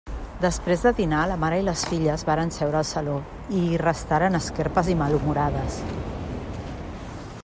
Després de dinar, la mare i les filles varen seure al saló, i hi restaren esquerpes i malhumorades.